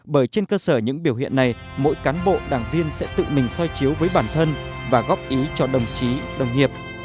bởi trên cơ sở những biểu hiện này mỗi cán bộ đảng viên sẽ tự mình soi chiếu với bản thân và góp ý cho đồng chí đồng nghiệp